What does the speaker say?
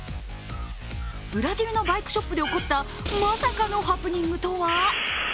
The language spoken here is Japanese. ブラジルのバイクショップで起こったまさかのハプニングとは？